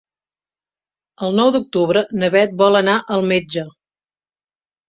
El nou d'octubre na Bet vol anar al metge.